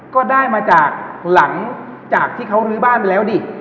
ก็ได้มาจากหลังจากที่เขาลื้อบ้านไปแล้วดิ